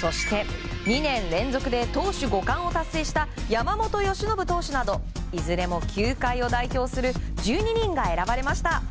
そして、２年連続で投手５冠を達成した山本投手などいずれも球界を代表する１２人が選ばれました。